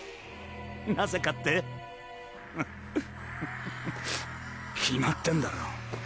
なぜかって？ははっ決まってんだろ。